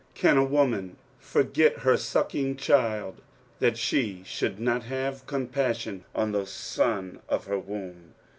23:049:015 Can a woman forget her sucking child, that she should not have compassion on the son of her womb?